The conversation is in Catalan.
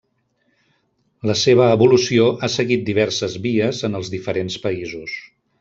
La seva evolució ha seguit diverses vies en els diferents països.